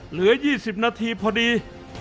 เหลือ๒๐นาทีพอดี